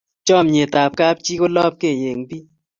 chamiet ab kap chi ko labkei eng bik